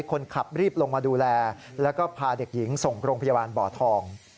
คนขับรีบลงมาดูแลแล้วก็พาเด็กหญิงส่งโรงพยาบาลบ่อทอง